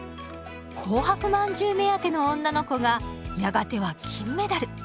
紅白饅頭目当ての女の子がやがては金メダル。